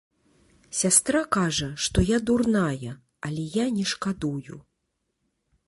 Сястра кажа, што я дурная, але я не шкадую.